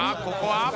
ここは。